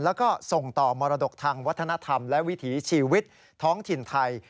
แล้วก็ส่งต่อมรดกทางวัฒนธรรมและวิถีชีวิตท้องถิ่นไทย